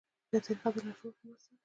یوه طریقه د لاشعور په مرسته ده.